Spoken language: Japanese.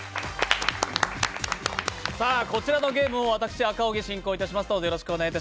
こちらのゲームも私、赤荻が進行いたします。